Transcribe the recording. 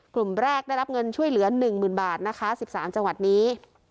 กลุ่มแรกได้รับเงินช่วยเหลือหนึ่งหมื่นบาทนะคะสิบสามจังหวัดนี้